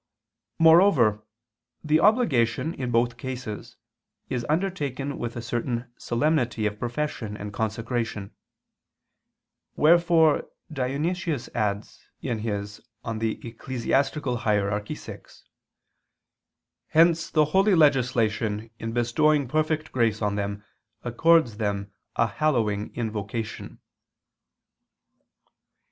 Moreover, the obligation in both cases is undertaken with a certain solemnity of profession and consecration; wherefore Dionysius adds (Eccl. Hier. vi): "Hence the holy legislation in bestowing perfect grace on them accords them a hallowing invocation."